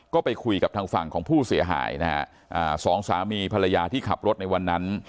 ก็ไปคุยกับทางฝั่งของผู้เสียหายนะฮะอ่าสองสามีภรรยาที่ขับรถในวันนั้น